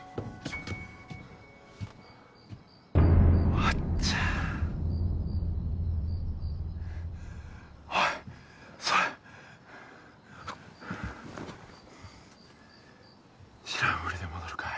あっちゃーおいそれ知らんふりで戻るかい？